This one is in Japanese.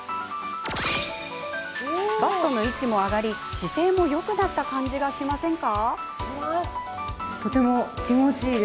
バストの位置も上がり姿勢もよくなった感じがしませんか。